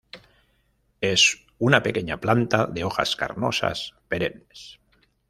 Es una pequeña planta de hojas carnosas perennes.